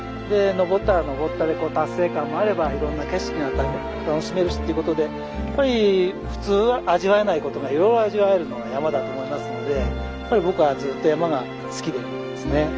登ったら登ったでこう達成感もあればいろんな景色が楽しめるしという事でやっぱり普通は味わえない事がいろいろ味わえるのが山だと思いますのでやっぱり僕はずっと山が好きですね。